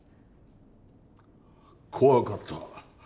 怖かった。